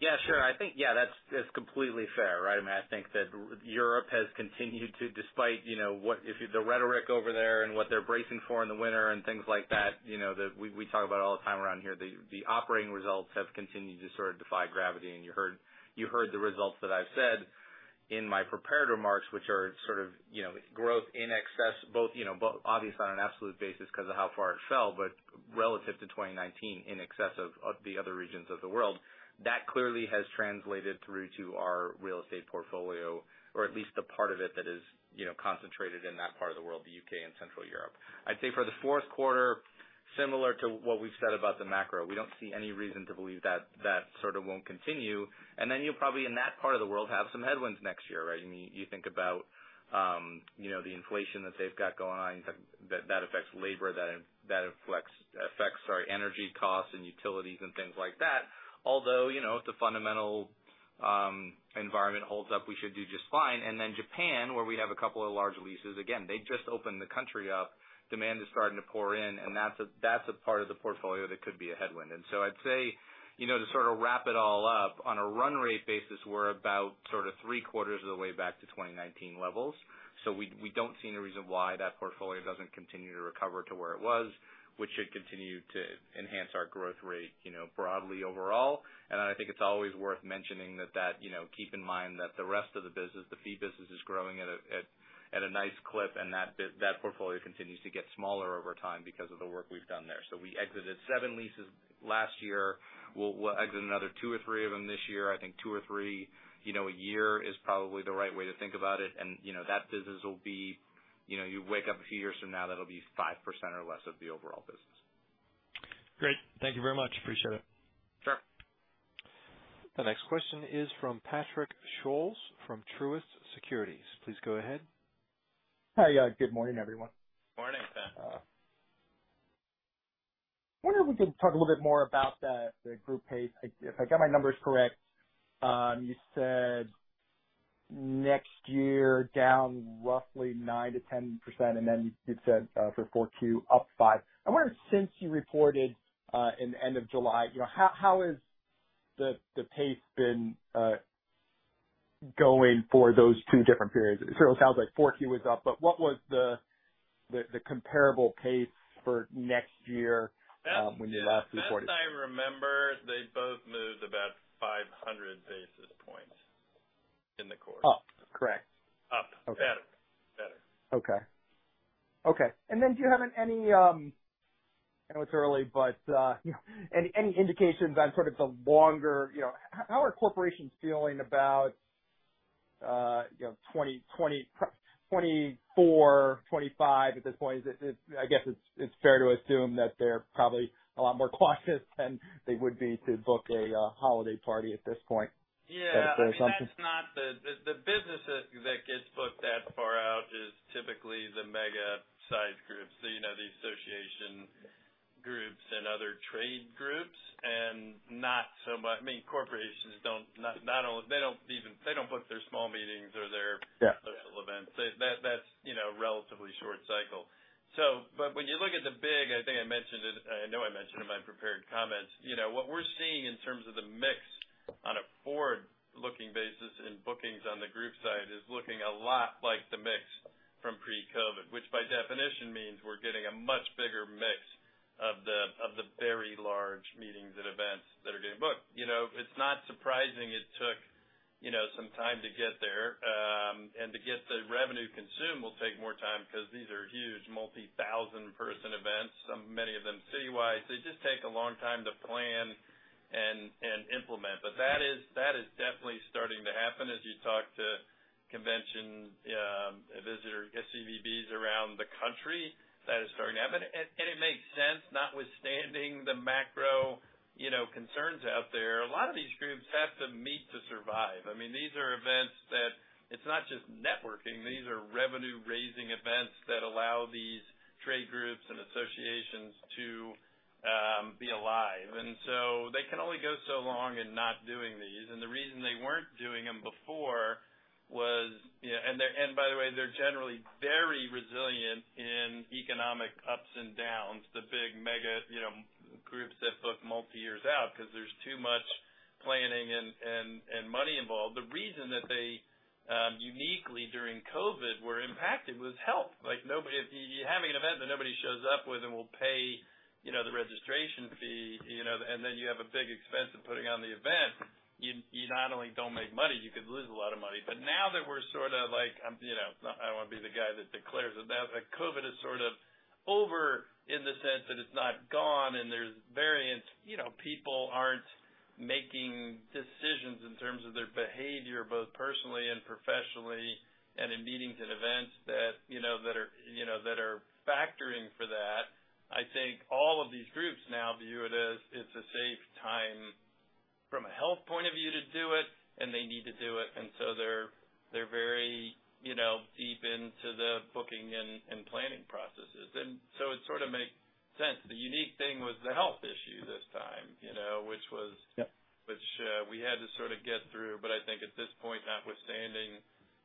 Yeah, sure. I think, yeah, that's completely fair, right? I mean, I think that Europe has continued to, despite, you know, what, if the rhetoric over there and what they're bracing for in the winter and things like that, you know, we talk about all the time around here, the operating results have continued to sort of defy gravity. You heard the results that I've said in my prepared remarks, which are sort of, you know, growth in excess, both, you know, obviously on an absolute basis 'cause of how far it fell, but relative to 2019 in excess of the other regions of the world. That clearly has translated through to our real estate portfolio or at least the part of it that is, you know, concentrated in that part of the world, the UK and Central Europe. I'd say for the fourth quarter, similar to what we've said about the macro, we don't see any reason to believe that that sort of won't continue, and then you'll probably, in that part of the world, have some headwinds next year, right? I mean, you know, the inflation that they've got going on, that affects labor, that affects energy costs and utilities and things like that. Although, you know, if the fundamental environment holds up, we should do just fine. Japan, where we have a couple of large leases, again, they just opened the country up. Demand is starting to pour in, and that's a part of the portfolio that could be a headwind. I'd say, you know, to sort of wrap it all up, on a run rate basis, we're about sort of three-quarters of the way back to 2019 levels. We don't see any reason why that portfolio doesn't continue to recover to where it was, which should continue to enhance our growth rate, you know, broadly overall. I think it's always worth mentioning that, you know, keep in mind that the rest of the business, the fee business, is growing at a nice clip, and that portfolio continues to get smaller over time because of the work we've done there. We exited seven leases last year. We'll exit another two or three of them this year. I think two or three, you know, a year is probably the right way to think about it. You know, that business will be, you know, you wake up a few years from now, that'll be 5% or less of the overall business. Great. Thank you very much. Appreciate it. Sure. The next question is from Patrick Scholes from Truist Securities. Please go ahead. Hi. Good morning, everyone. Morning, Pat. Wondered if we could talk a little bit more about the group pace. If I got my numbers correct, you said next year down roughly 9%-10%, and then you said for 42, up 5%. I wonder, since you reported in the end of July, you know, how has the pace been going for those two different periods? It sort of sounds like 42 was up, but what was the comparable pace for next year, when you last reported? As I remember, they both moved about 500 basis points in the quarter. Up. Correct. Up. Okay. Better. Okay. Do you have any indications? I know it's early, but you know, how are corporations feeling about 2024, 2025 at this point? I guess it's fair to assume that they're probably a lot more cautious than they would be to book a holiday party at this point. Yeah. Is there something? The business that gets booked that far out is typically the mega-size groups, so you know the association groups and other trade groups. I mean, corporations don't only. They don't book their small meetings or their- Yeah Social events. That's, you know, relatively short cycle. But when you look at the big, I think I mentioned it, I know I mentioned in my prepared comments, you know, what we're seeing in terms of the mix on a forward-looking basis and bookings on the group side is looking a lot like the mix from pre-COVID, which by definition means we're getting a much bigger mix of the very large meetings and events that are getting booked. You know, it's not surprising it took, you know, some time to get there, and to get the revenue consumed will take more time 'cause these are huge multi-thousand person events, many of them citywide, so it just take a long time to plan and implement. That is definitely starting to happen as you talk to convention visitor CVBs around the country, that is starting to happen. It makes sense, notwithstanding the macro, you know, concerns out there. A lot of these groups have to meet to survive. I mean, these are events. It's not just networking. These are revenue-raising events that allow these trade groups and associations to be alive. They can only go so long in not doing these. The reason they weren't doing them before was, you know. By the way, they're generally very resilient in economic ups and downs, the big mega, you know, groups that book multi-years out because there's too much planning and money involved. The reason that they uniquely during COVID were impacted was health. Like, nobody. If you're having an event that nobody shows up with and will pay, you know, the registration fee, you know, and then you have a big expense of putting on the event, you not only don't make money, you could lose a lot of money. Now that we're sort of like, you know, I don't wanna be the guy that declares it now, COVID is sort of over in the sense that it's not gone and there's variants. You know, people aren't making decisions in terms of their behavior, both personally and professionally, and in meetings and events that, you know, that are factoring for that. I think all of these groups now view it as it's a safe time from a health point of view to do it, and they need to do it, and so they're very, you know, deep into the booking and planning processes. It sort of makes sense. The unique thing was the health issue this time, you know, which was. Yep. Which we had to sort of get through. I think at this point, notwithstanding,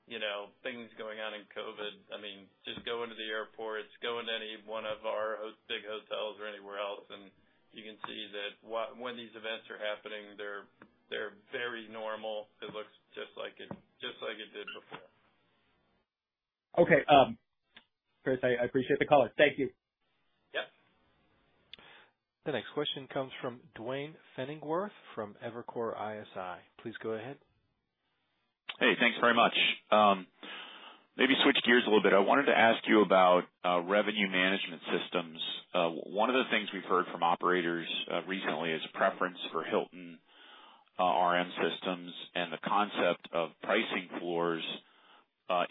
you know, things going on in COVID, I mean, just go into the airports, go into any one of our big hotels or anywhere else, and you can see that when these events are happening, they're very normal. It looks just like it, just like it did before. Okay. Chris, I appreciate the call. Thank you. Yep. The next question comes from Duane Pfennigwerth from Evercore ISI. Please go ahead. Hey, thanks very much. Maybe switch gears a little bit. I wanted to ask you about revenue management systems. One of the things we've heard from operators recently is a preference for Hilton RM systems and the concept of pricing floors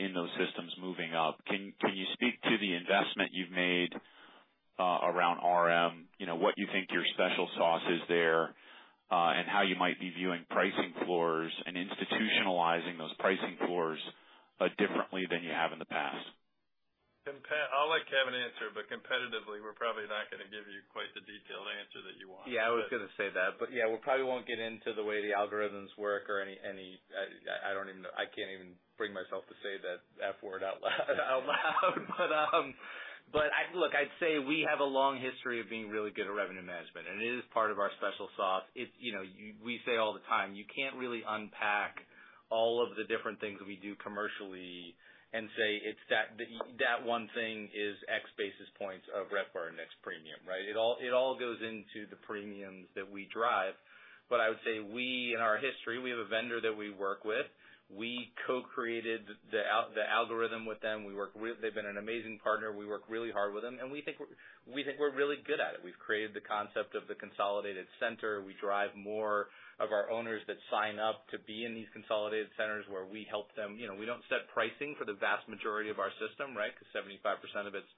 in those systems moving up. Can you speak to the investment you've made around RM? You know, what you think your special sauce is there, and how you might be viewing pricing floors and institutionalizing those pricing floors differently than you have in the past? I'll let Kevin answer, but competitively, we're probably not gonna give you quite the detailed answer that you want. Yeah, I was gonna say that. Yeah, we probably won't get into the way the algorithms work or any. I don't even know. I can't even bring myself to say that F word out loud. Look, I'd say we have a long history of being really good at revenue management, and it is part of our special sauce. It's, you know, we say all the time, you can't really unpack all of the different things that we do commercially and say it's that one thing is x basis points of RevPAR index premium, right? It all goes into the premiums that we drive. I would say, in our history, we have a vendor that we work with. We co-created the algorithm with them. We work with them. They've been an amazing partner. We work really hard with them, and we think we're really good at it. We've created the concept of the consolidated center. We drive more of our owners that sign up to be in these consolidated centers where we help them. You know, we don't set pricing for the vast majority of our system, right? Because 75% of it's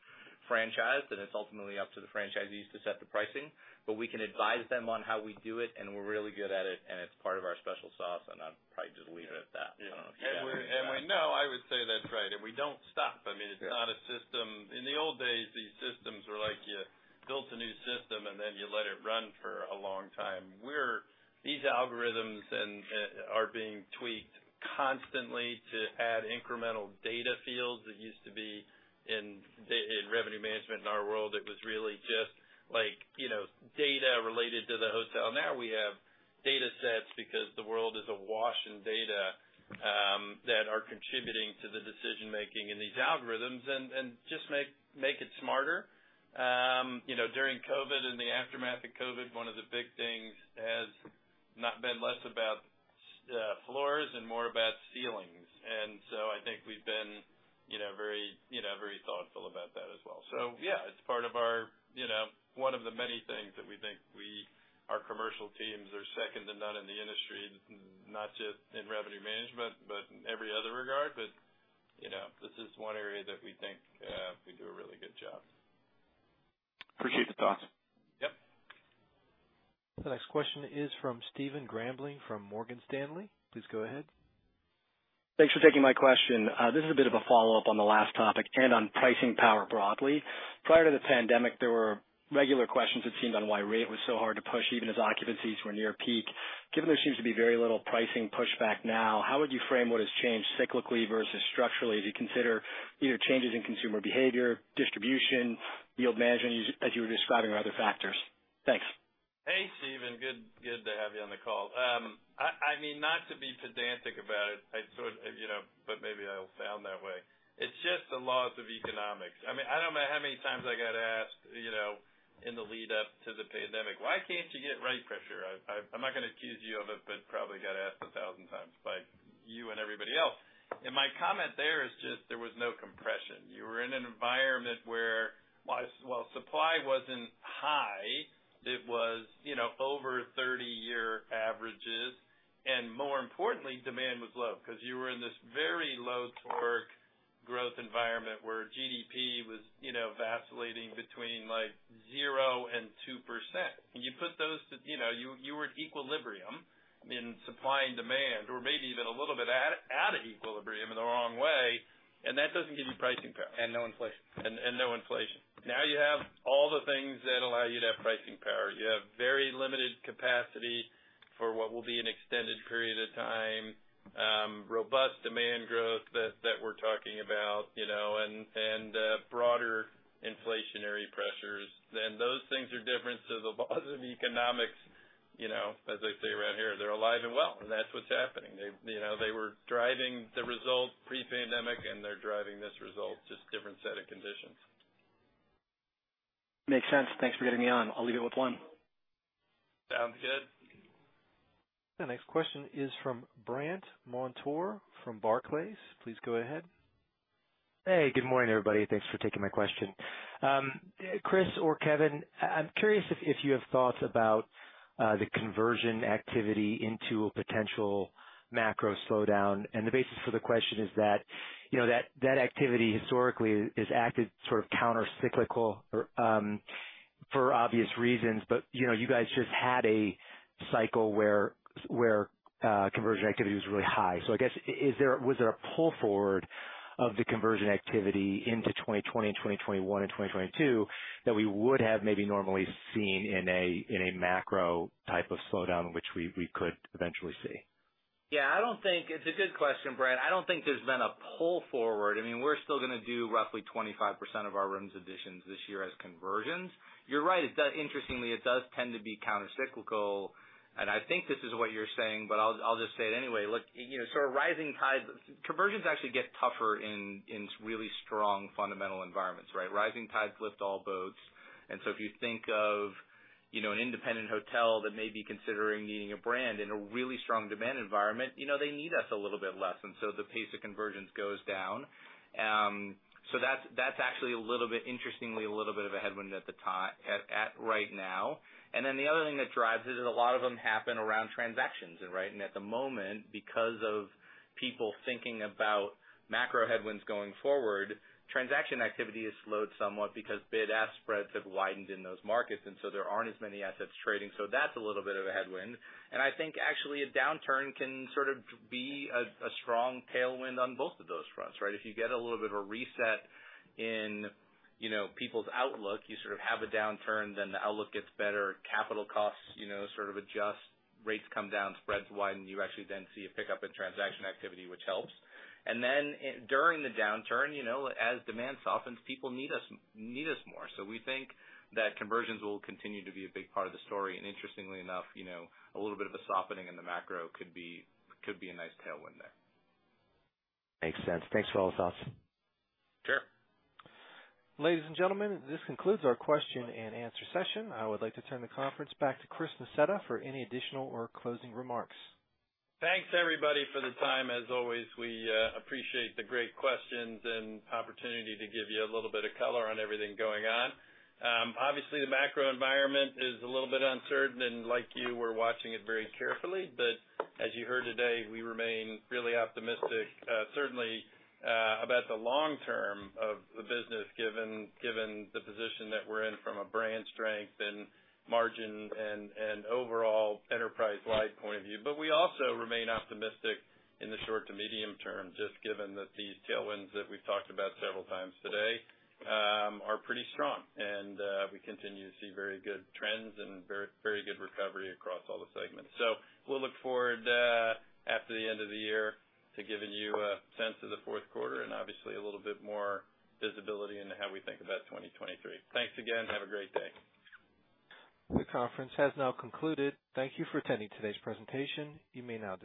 franchised, and it's ultimately up to the franchisees to set the pricing. We can advise them on how we do it, and we're really good at it, and it's part of our special sauce, and I'll probably just leave it at that. Yeah. I don't know if you'd add anything to that. We know, I would say that's right, and we don't stop. I mean, it's not a system. In the old days, these systems were like, you built a new system, and then you let it run for a long time. These algorithms and are being tweaked constantly to add incremental data fields. It used to be in revenue management in our world, it was really just like, you know, data related to the hotel. Now we have data sets because the world is awash in data that are contributing to the decision-making in these algorithms and just make it smarter. You know, during COVID and the aftermath of COVID, one of the big things has not been less about floors and more about ceilings. I think we've been, you know, very, you know, very thoughtful about that as well. Yeah, it's part of our, you know, one of the many things that we think we, our commercial teams are second to none in the industry, not just in revenue management, but in every other regard. You know, this is one area that we think we do a really good job. Appreciate the thoughts. Yep. The next question is from Stephen Grambling from Morgan Stanley. Please go ahead. Thanks for taking my question. This is a bit of a follow-up on the last topic and on pricing power broadly. Prior to the pandemic, there were regular questions, it seemed, on why rate was so hard to push, even as occupancies were near peak. Given there seems to be very little pricing pushback now, how would you frame what has changed cyclically versus structurally as you consider either changes in consumer behavior, distribution, yield management as you were describing, or other factors? Thanks. Hey, Stephen, good to have you on the call. I mean, not to be pedantic about it, I sort of, you know, but maybe I'll sound that way. It's just the laws of economics. I mean, I don't know how many times I got asked, you know, in the lead-up to the pandemic, "Why can't you get rate pressure?" I'm not gonna accuse you of it, but probably got asked 1,000 times by you and everybody else. My comment there is just there was no compression. You were in an environment where while supply wasn't high, it was, you know, over 30-year averages. More importantly, demand was low because you were in this very low-growth environment where GDP was, you know, vacillating between, like, 0% and 2%. When you put those to. You know, you were at equilibrium in supply and demand or maybe even a little bit out of equilibrium in the wrong way, and that doesn't give you pricing power. No inflation. No inflation. Now you have all the things that allow you to have pricing power. You have very limited capacity for what will be an extended period of time, robust demand growth that we're talking about, you know, and broader inflationary pressures. Those things are different to the laws of economics, you know, as they say around here, they're alive and well. That's what's happening. They, you know, were driving the results pre-pandemic, and they're driving this result, just different set of conditions. Makes sense. Thanks for getting me on. I'll leave it with one. Sounds good. The next question is from Brandt Montour from Barclays. Please go ahead. Hey, good morning, everybody. Thanks for taking my question. Chris or Kevin, I'm curious if you have thoughts about the conversion activity into a potential macro slowdown. The basis for the question is that, you know, that activity historically has acted sort of countercyclical, or for obvious reasons, but, you know, you guys just had a cycle where conversion activity was really high. I guess, was there a pull forward of the conversion activity into 2020 and 2021 and 2022 that we would have maybe normally seen in a macro type of slowdown in which we could eventually see? Yeah, I don't think it's a good question, Brandt. I don't think there's been a pull forward. I mean, we're still gonna do roughly 25% of our rooms additions this year as conversions. You're right, it does interestingly, it does tend to be countercyclical, and I think this is what you're saying, but I'll just say it anyway. Look, you know, sort of rising tides, conversions actually get tougher in really strong fundamental environments, right? Rising tides lift all boats. If you think of, you know, an independent hotel that may be considering needing a brand in a really strong demand environment, you know they need us a little bit less, and so the pace of conversions goes down. So that's actually a little bit interestingly a little bit of a headwind at right now. Then the other thing that drives it is a lot of them happen around transactions, right? At the moment, because of people thinking about macro headwinds going forward, transaction activity has slowed somewhat because bid-ask spreads have widened in those markets, and so there aren't as many assets trading. That's a little bit of a headwind. I think actually a downturn can sort of be a strong tailwind on both of those fronts, right? If you get a little bit of a reset in, you know, people's outlook, you sort of have a downturn, then the outlook gets better, capital costs, you know, sort of adjust, rates come down, spreads widen, you actually then see a pickup in transaction activity, which helps. During the downturn, you know, as demand softens, people need us more. We think that conversions will continue to be a big part of the story. Interestingly enough, you know, a little bit of a softening in the macro could be a nice tailwind there. Makes sense. Thanks for all the thoughts. Sure. Ladies and gentlemen, this concludes our question and answer session. I would like to turn the conference back to Chris Nassetta for any additional or closing remarks. Thanks everybody for the time. As always, we appreciate the great questions and opportunity to give you a little bit of color on everything going on. Obviously, the macro environment is a little bit uncertain, and like you, we're watching it very carefully. As you heard today, we remain really optimistic, certainly, about the long term of the business, given the position that we're in from a brand strength and margin and overall enterprise-wide point of view. We also remain optimistic in the short to medium term, just given that these tailwinds that we've talked about several times today are pretty strong. We continue to see very good trends and very, very good recovery across all the segments. We'll look forward, after the end of the year to giving you a sense of the fourth quarter and obviously a little bit more visibility into how we think about 2023. Thanks again. Have a great day. The conference has now concluded. Thank you for attending today's presentation. You may now disconnect.